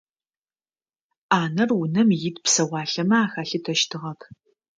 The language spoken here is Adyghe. Ӏанэр унэм ит псэуалъэмэ ахалъытэщтыгъэп.